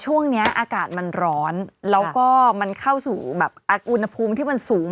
ช่วงนี้อากาศมันร้อนแล้วก็มันเข้าสู่แบบอุณหภูมิที่มันสูง